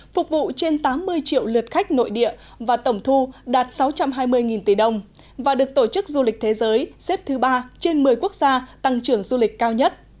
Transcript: phục vụ trên tám mươi triệu lượt khách nội địa và tổng thu đạt sáu trăm hai mươi tỷ đồng và được tổ chức du lịch thế giới xếp thứ ba trên một mươi quốc gia tăng trưởng du lịch cao nhất